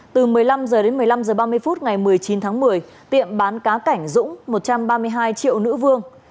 từ một mươi năm h đến một mươi năm h ba mươi phút ngày một mươi chín tháng một mươi tiệm bán cá cảnh dũng một trăm ba mươi hai triệu nữ vương